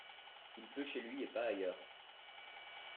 Il pleut chez lui et pas ailleurs.